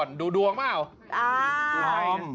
๓๘นิดหนึ่งหรือ๓๘นิดหนึ่ง